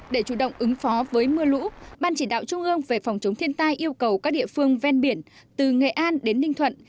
để chủ động ứng phó với mưa lũ ban chỉ đạo trung ương về phòng chống thiên tai yêu cầu các địa phương ven biển từ nghệ an đến ninh thuận